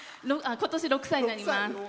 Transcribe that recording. ことし６歳になります。